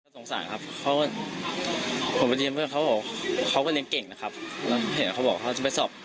สงสารครับเขาก็เขาก็เรียนเก่งนะครับแล้วเห็นเขาบอกว่าเขาจะไปสอบ